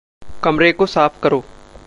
कमरे को साफ़ करो।